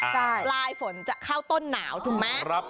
ปลายฝนจะเข้าต้นหนาวถูกไหม